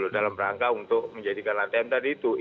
dalam rangka untuk menjadikan latihan tadi itu